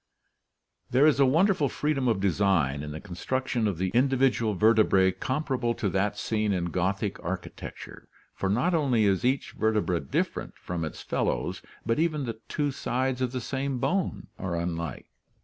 There is a wonderful freedom of design in the construction of the individual vertebrae comparable to that seen in Gothic archi tecture, for not only is each vertebra different from its fellows but even the two sides of the same bone are unlike.